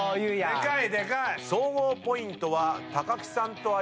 でかいでかい！